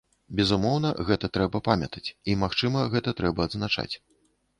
Безумоўна, гэта трэба памятаць, і, магчыма, гэта трэба адзначаць.